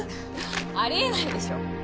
ありえないでしょ